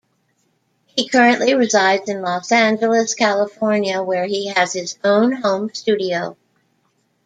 He currently resides in Los Angeles, California, where he has his own home studio.